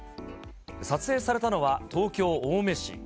撮影されたのは、東京・青梅市。